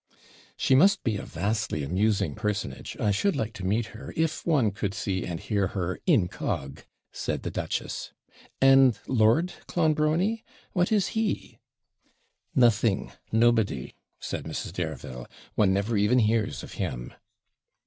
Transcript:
'She must be a vastly amusing personage. I should like to meet her, if one could see and hear her incog.,' said the duchess. 'And Lord Clonbrony, what is he?' 'Nothing, nobody,' said Mrs. Dareville; 'one never even hears of him.'